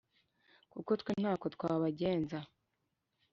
Kuko twe ntako twabagenza